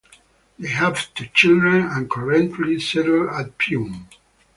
They have two children and currently settled at Pune.